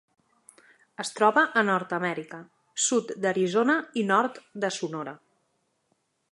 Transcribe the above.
Es troba a Nord-amèrica: sud d'Arizona i nord de Sonora.